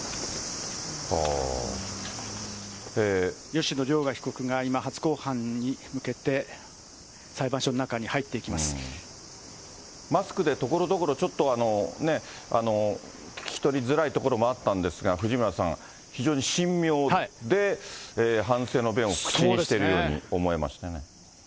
吉野凌雅被告が、今、初公判に向けて裁判所の中に入っていきマスクでところどころ、ちょっと、聞き取りづらいところもあるんですが、藤村さん、非常に神妙で、反省の弁を口にしているように思えましたね。